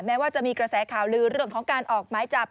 แม้ว่าจะมีกระแสข่าวลือเรื่องของการออกหมายจับ